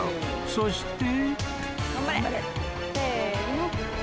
［そして］